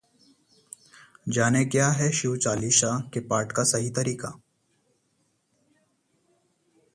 जानें, क्या है शिव चालीसा के पाठ का सही तरीका?